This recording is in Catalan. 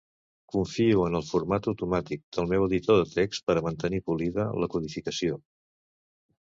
Confio en el format automàtic del meu editor de text per a mantenir polida la codificació.